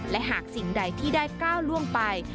และหากสิ่งใดที่ได้ก้าวล่วงไป